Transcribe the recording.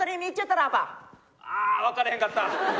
ああ分からへんかった！